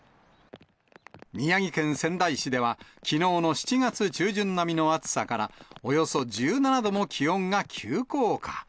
宮城県仙台市では、きのうの７月中旬並みの暑さから、およそ１７度も気温が急降下。